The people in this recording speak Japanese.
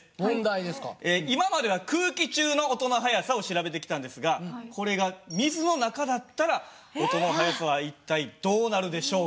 今までは空気中の音の速さを調べてきたんですがこれが水の中だったら音の速さは一体どうなるでしょうか？